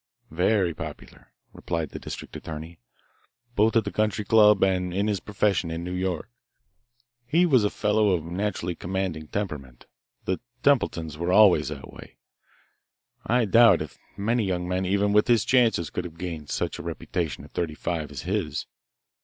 "Very popular," replied the district attorney, "both at the country club and in his profession in New York. He was a fellow of naturally commanding temperament the Templetons were always that way. I doubt if many young men even with his chances could have gained such a reputation at thirty five as his.